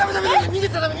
逃げちゃダメ！